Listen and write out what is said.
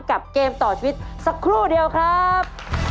เกมต่อชีวิตสักครู่เดียวครับ